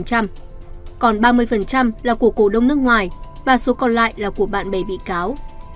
còn ba mươi là của cổ đông nước ngoài và số còn lại là của bạn bè bị cáo